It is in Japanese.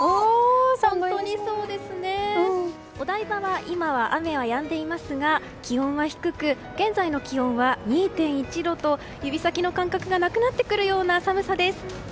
お台場は今は雨はやんでいますが気温は低く現在の気温は２．１度と指先の感覚がなくなってくるような寒さです。